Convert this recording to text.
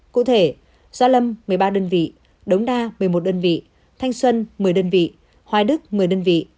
cụ thể gia lâm một mươi ba đơn vị đống đa một mươi một đơn vị thanh xuân một mươi đơn vị hoài đức một mươi đơn vị